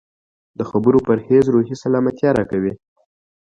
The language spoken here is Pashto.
د خبرو پرهېز روحي سلامتیا راکوي.